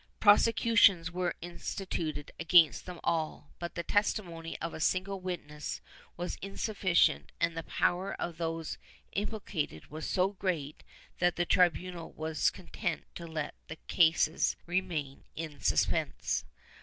Prosecutions were instituted against them all, but the testimony of a single witness was insufficient and the power of those impli cated was so great that the tribunal was content to let the cases remain in suspense.